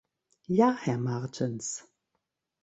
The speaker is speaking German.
Ja, Herr Martens.